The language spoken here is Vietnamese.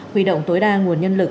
huy động tối đa nguồn nhân lực